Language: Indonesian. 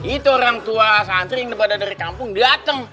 itu orang tua santri yang badan dari kampung dateng